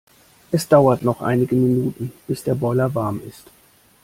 Es dauert noch einige Minuten, bis der Boiler warm ist.